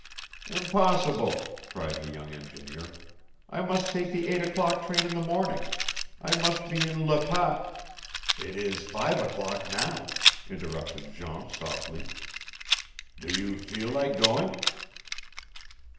"Impossible!" cried the young engineer. "I must take the eight o'clock train in the morning. I must be in Le Pas " "It is five o'clock now," interrupted Jean softly. "Do you feel like going?"